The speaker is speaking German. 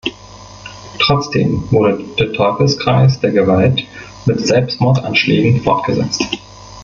Trotzdem wurde der Teufelskreis der Gewalt mit Selbstmordanschlägen fortgesetzt.